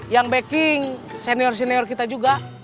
yang backing senior senior kita juga